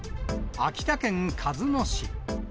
秋田県鹿角市。